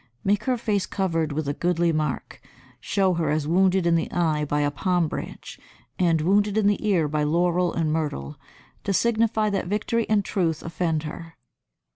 Make her face covered with a goodly mark; show her as wounded in the eye by a palm branch, and wounded in the ear by laurel and myrtle, to signify that victory and truth offend her.